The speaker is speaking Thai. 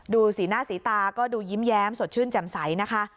สีหน้าสีตาก็ดูยิ้มแย้มสดชื่นแจ่มใสนะคะ